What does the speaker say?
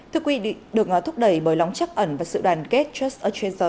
thưa quý vị được thúc đẩy bởi lóng chắc ẩn và sự đoàn kết trust a treasure